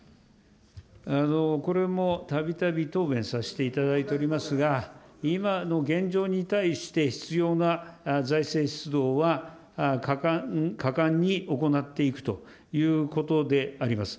これもたびたび答弁させていただいておりますが、今の現状に対して必要な財政出動は、果敢に行っていくということであります。